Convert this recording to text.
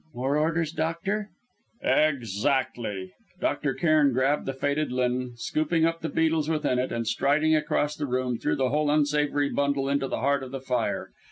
"More orders, doctor?" "Exactly." Dr. Cairn grabbed the faded linen, scooping up the beetles within it, and, striding across the room, threw the whole unsavoury bundle into the heart of the fire.